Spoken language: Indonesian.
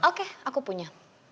oke aku punya